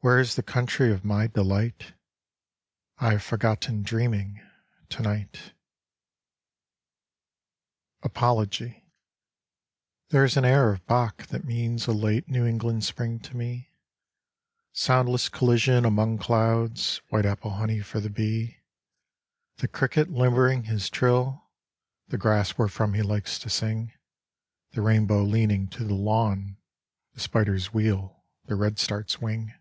Where is the country Of my delight? I have forgotten Dreaming, tonight. 41 Apology Apology There is an air of Bach that means A late New England Spring to me: Soundless collisions among clouds, White apple honey for the bee, The cricket limbering his trill, The grass wherefrom he likes to sing, The rainbow leaning to the lawn, The spider's wheel, the redstart's wing.